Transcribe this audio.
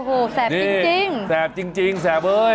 โอ้โหแสบจริงแสบจริงแสบเอ้ย